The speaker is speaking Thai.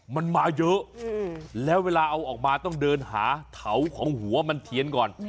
มันมาเยอะแล้วเวลาเอาออกมาต้องเดินหาเถาของหัวมันเทียนก่อน